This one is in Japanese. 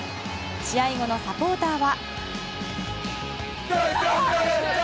試合後のサポーターは。